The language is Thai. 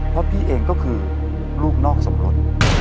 เพราะพี่เองก็คือลูกนอกสมรส